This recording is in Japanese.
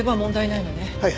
はい。